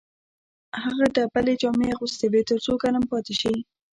هغه ډبلې جامې اغوستې وې تر څو ګرم پاتې شي